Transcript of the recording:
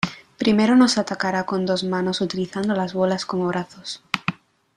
Primero nos atacará con dos manos utilizando las bolas como brazos.